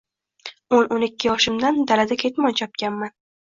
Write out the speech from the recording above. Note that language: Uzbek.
O‘n-o‘n ikki yoshimdan dalada ketmon chopganman.